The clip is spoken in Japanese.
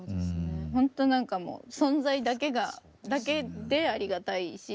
ほんとなんかもう存在だけでありがたいし